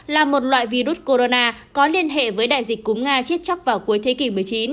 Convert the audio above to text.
là một loại virus corona có liên hệ với đại dịch cúm nga chết chắc vào cuối thế kỷ một mươi chín